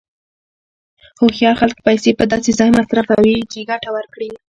هوښیار خلک پیسې په داسې ځای مصرفوي چې ګټه ورکړي.